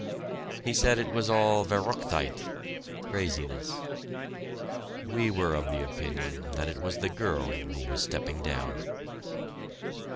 He said it was all "verrücktheit" (craziness). We were of the opinion that it was the girl who was stepping down!